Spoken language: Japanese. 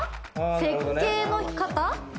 設計の方？